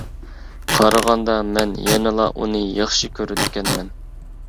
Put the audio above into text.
قارىغاندا مەن يەنىلا ئۇنى ياخشى كۆرىدىكەنمەن.